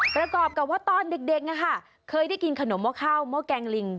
ประกอบกับว่าตอนเด็กเคยได้กินขนมห้อข้าวหม้อแกงลิง